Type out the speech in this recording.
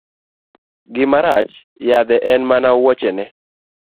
Gima rach yadhe en mana wuochene.